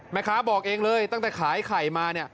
แม่ค้าบอกเองเลยตั้งแต่ขายไข่มาเนี่ย